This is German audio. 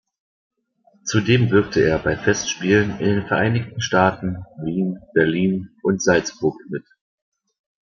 Zudem wirkte er bei Festspielen, in den Vereinigten Staaten, Wien, Berlin und Salzburg mit.